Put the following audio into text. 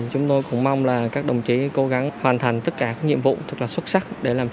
chúng tôi cũng mong là các đồng chí cố gắng hoàn thành tất cả các nhiệm vụ thật là xuất sắc để làm